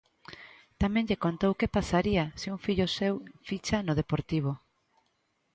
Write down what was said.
Tamén lle contou que pasaría se un fillo seu ficha no Deportivo.